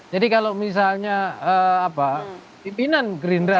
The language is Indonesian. jadi kalau misalnya apa pimpinan gerinda